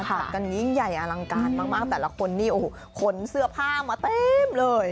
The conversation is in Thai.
จัดกันยิ่งใหญ่อลังการมากแต่ละคนนี่โอ้โหขนเสื้อผ้ามาเต็มเลย